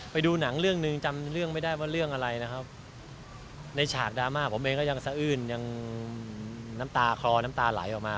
ไปดูหนังเรื่องหนึ่งจำเรื่องไม่ได้ว่าเรื่องอะไรนะครับในฉากดราม่าผมเองก็ยังสะอื้นยังน้ำตาคลอน้ำตาไหลออกมา